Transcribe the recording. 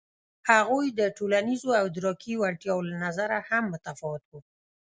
هغوی د ټولنیزو او ادراکي وړتیاوو له نظره هم متفاوت وو.